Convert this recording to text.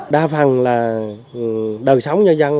đa phần là đời sống nhân dân là trực tiếp